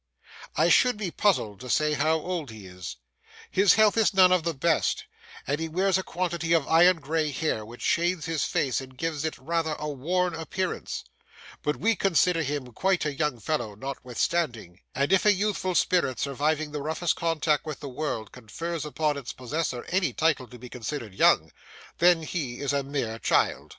I should be puzzled to say how old he is. His health is none of the best, and he wears a quantity of iron gray hair, which shades his face and gives it rather a worn appearance; but we consider him quite a young fellow notwithstanding; and if a youthful spirit, surviving the roughest contact with the world, confers upon its possessor any title to be considered young, then he is a mere child.